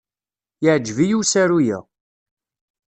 Yeɛjeb-iyi usaru-a.